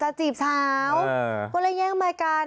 จีบสาวก็เลยแย่งมายกัน